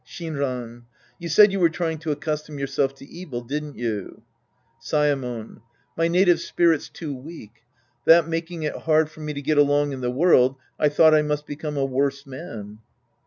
Shinran. You said you were trying to accustom yourself to evil, didn't you ? Saemon. My native spirit's too weak. That making it hard for me to get along in the world, I thought I must become a worse man.